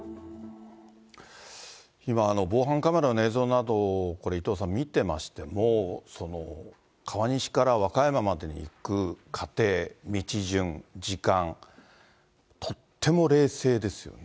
今、防犯カメラの映像など、伊藤さん、見てましても、川西から和歌山までに行く過程、道順、時間、とっても冷静ですよね。